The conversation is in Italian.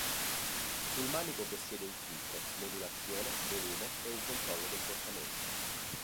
Sul manico possiede un filtro, modulazione, volume e un controllo del portamento.